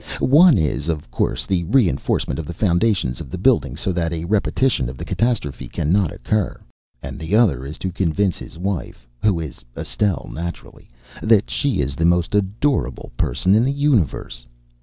One is, of course, the reenforcement of the foundations of the building so that a repetition of the catastrophe cannot occur, and the other is to convince his wife who is Estelle, naturally that she is the most adorable person in the universe.